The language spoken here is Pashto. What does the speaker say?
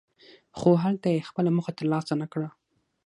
خو هلته یې خپله موخه ترلاسه نکړه.